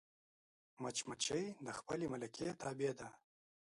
مچمچۍ د خپلې ملکې تابع ده